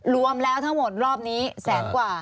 รวมแล้วทั้งหมดรอบนี้แสนกว่า